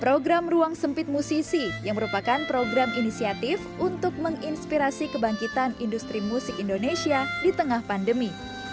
program ruang sempit musisi yang merupakan program inisiatif untuk menginspirasi kebangkitan industri musik indonesia di tengah pandemi